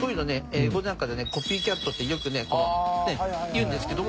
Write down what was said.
英語なんかでね「ＣｏｐｙＣａｔ」ってよくねいうんですけども。